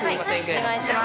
◆お願いします。